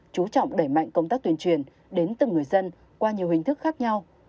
chú trọng đẩy mạnh công tác tuyên truyền đến từng người dân qua nhiều hình thức khác nhau